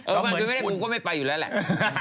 เออความจริงไม่ได้กูก็ไม่ไปอยู่แล้วแหละ